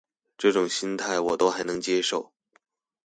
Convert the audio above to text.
這種心態我都還能接受